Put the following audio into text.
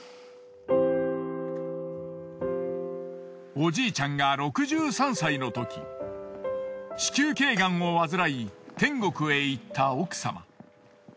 おじいちゃんが６３歳のとき子宮頸がんを患い天国へ行った奥様。